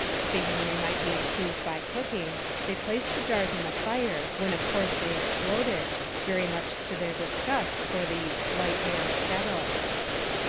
Thinking they might be improved by cooking, they placed the jars in the fire, when of course they exploded, very much to their disgust for the " white man's kettles."